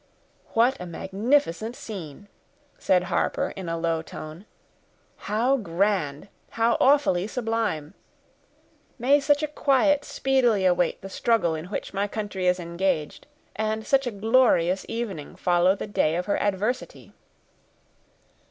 "What a magnificent scene!" said Harper, in a low tone. "How grand! how awfully sublime!—may such a quiet speedily await the struggle in which my country is engaged, and such a glorious evening follow the day of her adversity!"